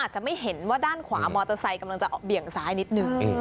จะไม่เห็นว่าด้านขวามอเตอร์ไซค์กำลังจะออกเบี่ยงซ้ายนิดนึง